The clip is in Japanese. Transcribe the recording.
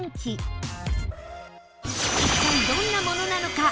一体どんなものなのか？